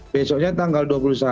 besoknya tanggal dua puluh satu